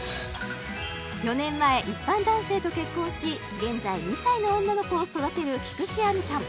４年前一般男性と結婚し現在２歳の女の子を育てる菊地亜美さん